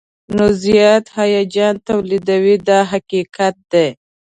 نو زیات هیجان تولیدوي دا حقیقت دی.